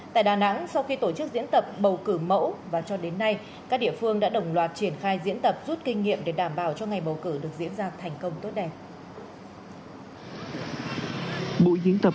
tại đà nẵng sau khi tổ chức diễn tập bầu cử mẫu và cho đến nay các địa phương đã đồng loạt triển khai diễn tập rút kinh nghiệm để đảm bảo cho ngày bầu cử được diễn ra thành công tốt đẹp